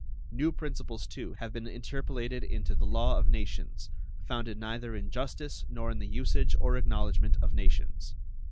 New principles, too, have been interpolated into the law of nations, founded neither in justice nor in the usage or acknowledgment of nations.